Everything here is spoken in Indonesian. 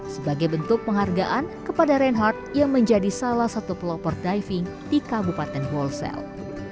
sebagai bentuk penghargaan kepada reinhardt yang menjadi salah satu pelopor diving di kabupaten wolsale